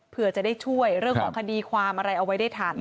เพื่อจะได้ช่วยเรื่องของคดีความอะไรเอาไว้ได้ทัน